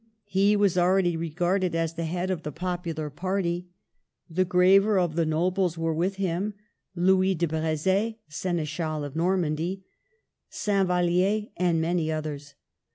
He was already regarded as the head of the popular party. The graver of the nobles were with him, Louis de Breze, Seneschal of Normandy, Saint Vallier, and many others.